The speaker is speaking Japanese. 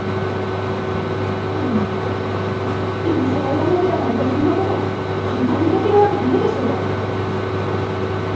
それやのに今更辞めるやなんてそんなこと簡単にできるわけないでしょう？